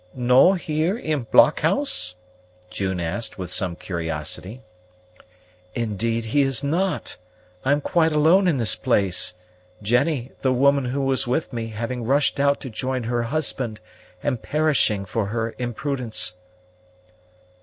"No here in blockhouse?" June asked, with some curiosity. "Indeed he is not: I am quite alone in this place; Jennie, the woman who was with me, having rushed out to join her husband, and perishing for her imprudence."